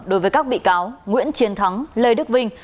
đối với các bị cáo nguyễn chiến thắng lê đức vinh